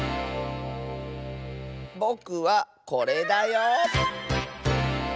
ぼくはこれだよ！